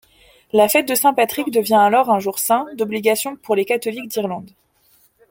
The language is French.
La fête de Saint-Patrick devient alors un jour saint d'obligation pour les catholiques d'Irlande.